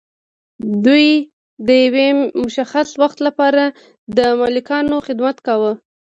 دوی د یو مشخص وخت لپاره د مالکانو خدمت کاوه.